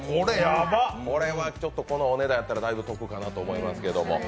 このお値段だったらだいぶお得かなと思いますけど。